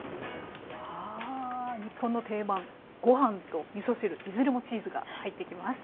あ日本の定番ご飯とみそ汁いずれもチーズが入ってきます。